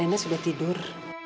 alena sudah tidur